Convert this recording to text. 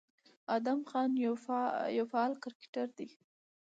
ادم خان يو فعال کرکټر دى،